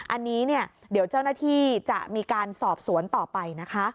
อันนี้เนี่ยเดี๋ยวเจ้าหน้าที่จะมีการสอบสวนต่อไปนะคะ